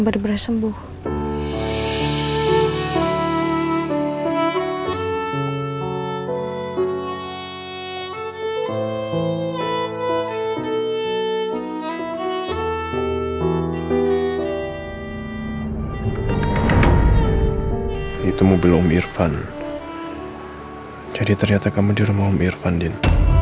jadi ternyata kamu di rumah om irfan din